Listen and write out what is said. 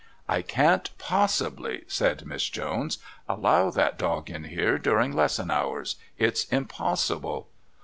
"I can't possibly," said Miss Jones, "allow that dog in here during lesson hours. It's impossible."